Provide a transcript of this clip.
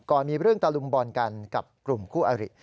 มีเรื่องตะลุมบอลกันกับกลุ่มคู่อริ